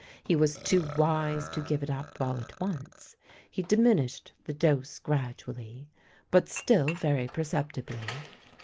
He was too wise to give it up all at once. He diminished the dose gradually, but still very perceptibly.